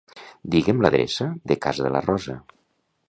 Digue'm l'adreça de casa de la Rosa.